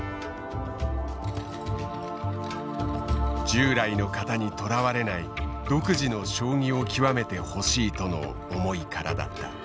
従来の型にとらわれない独自の将棋を極めてほしいとの思いからだった。